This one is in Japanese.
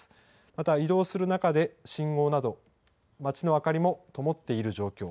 また移動する中で、信号など、町の明かりもともっている状況。